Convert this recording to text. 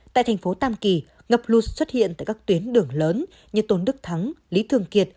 tại thành phố tam kỳ ngập lụt xuất hiện tại các tuyến đường lớn như tôn đức thắng lý thường kiệt